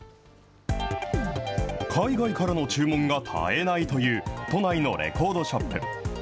海外からの注文が絶えないという、都内のレコードショップ。